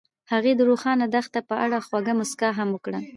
هغې د روښانه دښته په اړه خوږه موسکا هم وکړه.